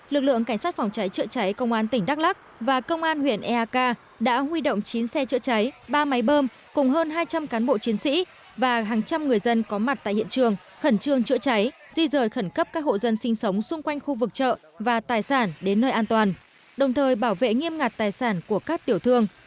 lực lượng cảnh sát phòng cháy chữa cháy công an tỉnh đắk lắc và công an huyện eak đã huy động chín xe chữa cháy ba máy bơm cùng hơn hai trăm linh cán bộ chiến sĩ và hàng trăm người dân có mặt tại hiện trường khẩn trương chữa cháy di rời khẩn cấp các hộ dân sinh sống xung quanh khu vực chợ và tài sản đến nơi an toàn đồng thời bảo vệ nghiêm ngặt tài sản của các tiểu thương